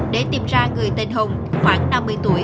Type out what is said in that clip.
để tìm ra người tên hồng khoảng năm mươi tuổi